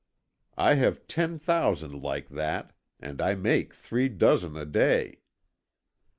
I have ten thousand like that, and I make three dozen a day."